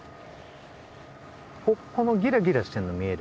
このギラギラしてるの見える？